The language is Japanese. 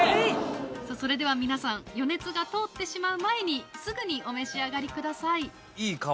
それでは皆さん余熱が通ってしまう前にすぐにお召し上がりください。